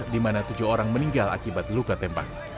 di mana tujuh orang meninggal akibat luka tembak